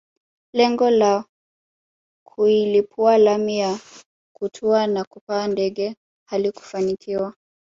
Lengo la kuilipua lami ya kutua na kupaa ndege halikufanikiwa